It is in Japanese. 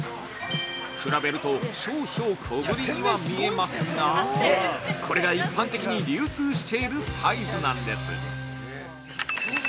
比べると少々小ぶりには見えますがこれが一般的に流通しているサイズなんです。